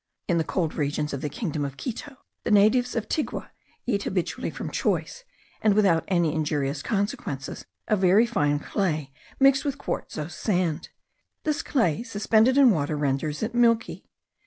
In the cold regions of the kingdom of Quito, the natives of Tigua eat habitually from choice, and without any injurious consequences, a very fine clay, mixed with quartzose sand. This clay, suspended in water, renders it milky.